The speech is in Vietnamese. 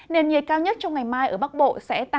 nền nhiệt cao nhất trong ngày mai ở bắc bắc